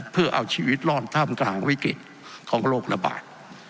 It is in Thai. เพื่อเอาชีวิตล่อนถ้ำกลางวิกฤตของโลกระบาด